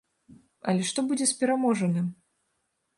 Але што будзе з пераможаным?